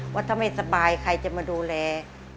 ว่าถ้าไม่สบายใครจะมาดูแล